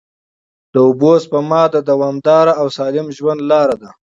د اوبو سپما د دوامدار او سالم ژوند لاره ده.